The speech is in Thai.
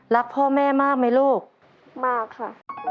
รักพ่อแม่มากไหมลูกมากค่ะ